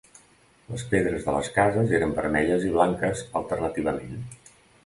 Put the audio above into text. Les pedres de les cases eren vermelles i blanques alternativament.